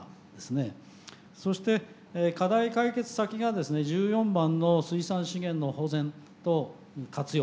そして課題解決先がですね１４番の水産資源の保全と活用